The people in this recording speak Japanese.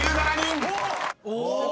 お！